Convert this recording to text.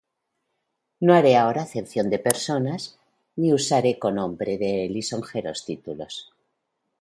No haré ahora acepción de personas, Ni usaré con hombre de lisonjeros títulos.